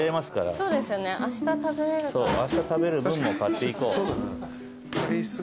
そうあした食べる分も買っていこう。